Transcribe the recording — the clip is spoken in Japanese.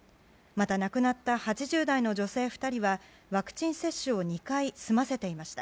また、亡くなった８０代の女性２人はワクチン接種を２回済ませていました。